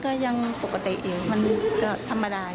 แต่อันนี้ยังปกติเองมันก็ธรรมดาย